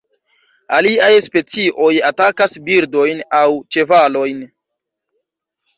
Aliaj specioj atakas birdojn aŭ ĉevalojn.